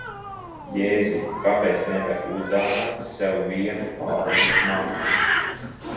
Jēziņ, kāpēc nevari uzdāvināt sev vienu baudas nakti?